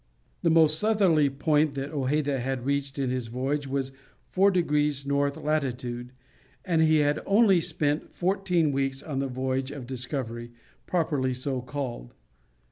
The most southerly point that Hojeda had reached in this voyage was 4 degrees north latitude, and he had only spent fourteen weeks on the voyage of discovery, properly so called.